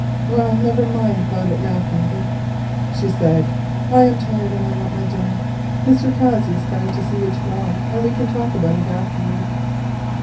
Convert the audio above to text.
"Well, never mind about it now, father," she said; "I am tired and want my dinner. Mr. Cossey is coming to see you to morrow, and we can talk about it afterwards."